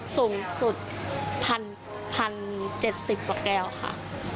สูงสุด๑๐๗๐กว่าแก้วค่ะ